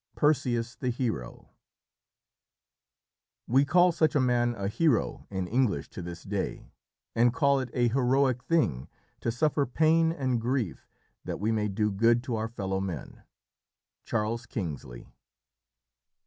PERSEUS THE HERO "We call such a man a hero in English to this day, and call it a 'heroic' thing to suffer pain and grief, that we may do good to our fellow men." Charles Kingsley.